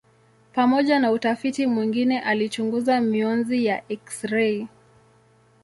Pamoja na utafiti mwingine alichunguza mionzi ya eksirei.